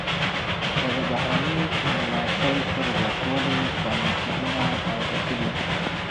ده د بهرني ملاتړ پر زیاتوالي تنقیدونه اوریدلي.